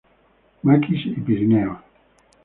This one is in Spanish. Maquis y Pirineos.